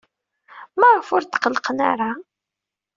Maɣef ur tqellqen ara?